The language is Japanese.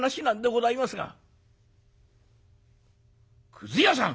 「くず屋さん！」。